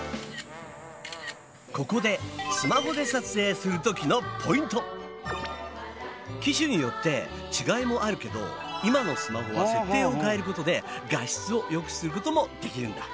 ここで機種によって違いもあるけど今のスマホは設定を変えることで画質をよくすることもできるんだ。